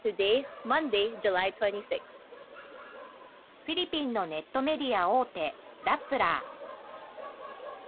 フィリピンのネットメディア大手、ラップラー。